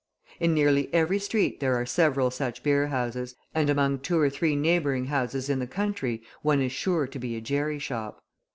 In nearly every street there are several such beerhouses, and among two or three neighbouring houses in the country one is sure to be a jerry shop.